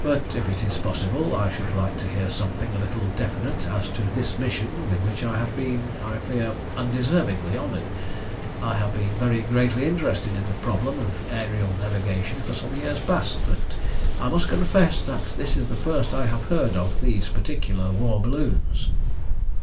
"But if it is possible I should like to hear something a little definite as to this mission with which I have been, I fear, undeservingly honoured. I have been very greatly interested in the problem of aërial navigation for some years past, but I must confess that this is the first I have heard of these particular war balloons."